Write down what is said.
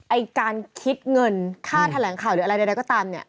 ไอ้การคิดเงินค่าแถลงข่าวหรืออะไรใดก็ตามเนี่ย